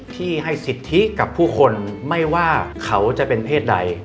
ที่ให้สิทธิกับผู้คนไม่ว่าเขาจะเป็นเพศใด